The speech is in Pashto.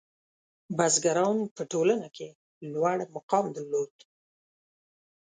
• بزګران په ټولنه کې لوړ مقام درلود.